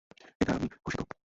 এটা আমি, হশিকো।